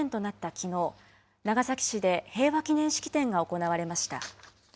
きのう長崎市で平和祈念式典が行われました。